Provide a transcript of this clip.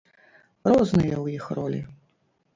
Розныя ў іх ролі.